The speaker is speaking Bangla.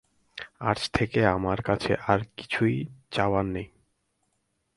আজ থেকে আমার কাছে আর কিছুই চাবার নেই।